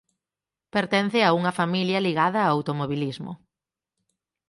Pertence a unha familia ligada ao automobilismo.